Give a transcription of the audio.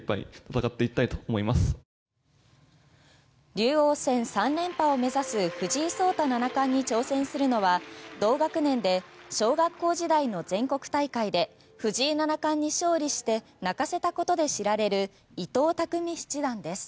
竜王戦３連覇を目指す藤井聡太七冠に挑戦するのは同学年で小学校時代の全国大会で藤井七冠に勝利して泣かせたことで知られる伊藤匠七段です。